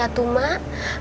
kalau itu emak pasti ya tuma